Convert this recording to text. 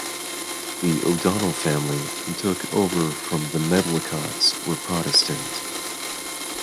The O'Donel family, who took over from the Medlycotts, were Protestant.